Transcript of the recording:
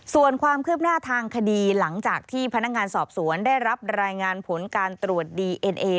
ส่วนความคืบหน้าทางคดีหลังจากที่พนักงานสอบสวนได้รับรายงานผลการตรวจดีเอ็นเอ